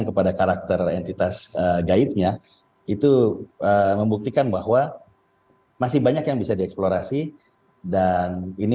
kepada karakter entitas gaibnya itu membuktikan bahwa masih banyak yang bisa dieksplorasi dan ini